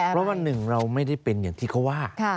เพราะวันหนึ่งเราไม่ได้เป็นอย่างที่เขาว่า